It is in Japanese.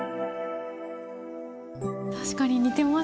確かに似てますね。